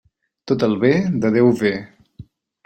Tot el bé de Déu ve.